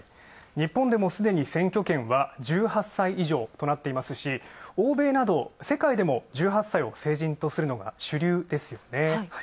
日本でも、すでに選挙権は１８歳以上となっていますし、欧米など世界でも１８歳を成人とするのが主流ですよね。